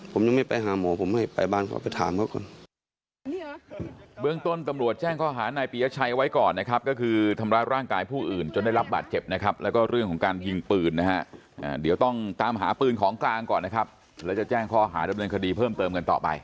ผมยังไม่ไปหาหมอผมให้ไปบ้านเขาไปถามเขาก่อน